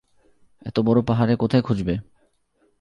এত বড় পাহাড়ে কোথায় খুঁজবে?